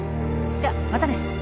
じゃまたね。